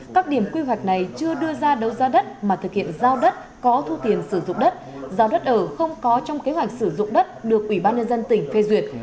các điểm quy hoạch này chưa đưa ra đấu giá đất mà thực hiện giao đất có thu tiền sử dụng đất giao đất ở không có trong kế hoạch sử dụng đất được ủy ban nhân dân tỉnh phê duyệt